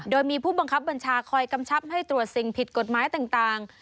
โดยมีผู้บังคับบัญชาคอยกำชับให้ตรวจสิ่งผิดกฎหมายต่าง